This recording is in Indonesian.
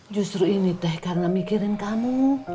justru ini teh karena mikirin kamu